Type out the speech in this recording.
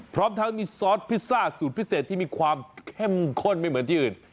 พร้อมทั้งมีซอสพิซซ่าสูตรพิเศษที่มีความเข้มข้นไม่เหมือนที่อื่น